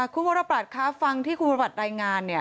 คุณพรปรับครับฟังที่ครูพรปรับได้งานเนี่ย